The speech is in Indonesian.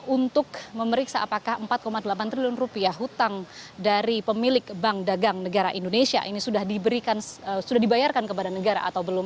untuk memeriksa apakah empat delapan triliun rupiah hutang dari pemilik bank dagang negara indonesia ini sudah dibayarkan kepada negara atau belum